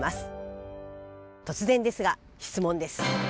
突然ですが質問です。